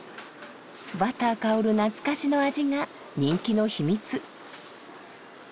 バター香る懐かしの味が人気の秘密。